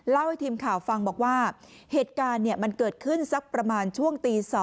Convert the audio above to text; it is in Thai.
ให้ทีมข่าวฟังบอกว่าเหตุการณ์มันเกิดขึ้นสักประมาณช่วงตี๒